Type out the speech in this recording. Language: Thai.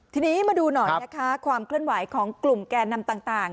ทีนี้มาดูหน่อยนะคะความเคลื่อนไหวของกลุ่มแก่นำต่าง